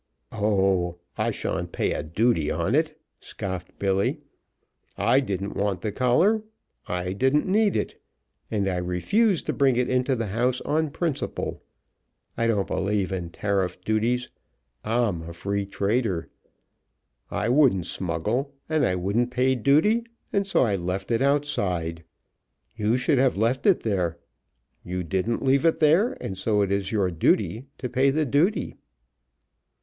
"Oh, I sha'n't pay a duty on it!" scoffed Billy. "I didn't want the collar. I didn't need it, and I refused to bring it into the house on principle. I don't believe in tariff duties. I'm a free trader. I wouldn't smuggle, and I wouldn't pay duty, and so I left it outside. You should have left it there. You didn't leave it there, and so it is your duty to pay the duty."